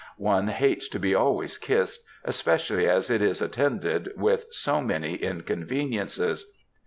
One hates to be always kissed, especially as it is attended with so many inconveniences.